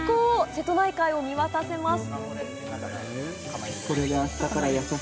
瀬戸内海を見渡せます。